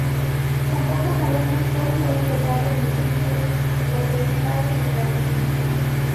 Tampoco sabemos cuál fue el total de municipios representados en la misma.